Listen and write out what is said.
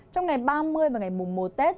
trong ngày ba mươi và ngày mùng một tết